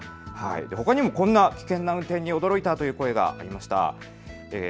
ほかにもこんな危険な運転に驚いたという声がありました。